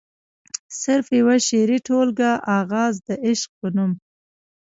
صرف يوه شعري ټولګه “اغاز َد عشق” پۀ نوم